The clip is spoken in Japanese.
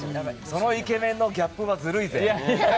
そのイケメンのギャップはずるいぜ。